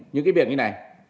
những cái việc như này